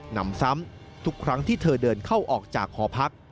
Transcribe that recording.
นำซ้ำทุกครั้งที่เธอเดินเข้าออกจากหอพัก